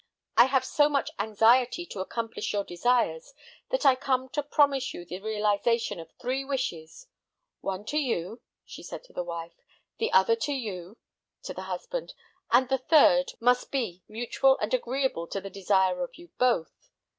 I have so much anxiety to accomplish your desires that I come to promise you the realization of three wishes: one to you," she said to the wife; "the other to you," to the husband, "and the third must be mutual and agreeable to the desire of you both.